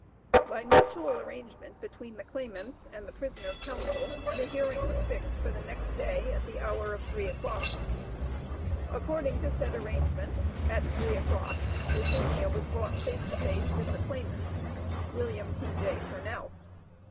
By mutual arrangement between the claimants and the prisoner's counsel the hearing was fixed for the next day, at the hour of three o'clock. According to said arrangement, at three o'clock Euphemia was brought face to face with her claimant, William T.J. Purnell.